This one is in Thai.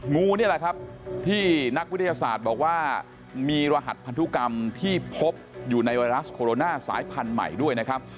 งูนี่แหละครับที่นักวิทยาศาสตร์บอกว่ามีรหัสพันธุกรรมที่พบอยู่ในไวรัสโคโรนาสายพันธุ์ใหม่ด้วยนะครับ